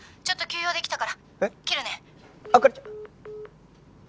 ちょっと急用できたから切るね」